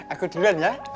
aku duluan ya